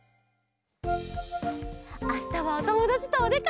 あしたはおともだちとおでかけ！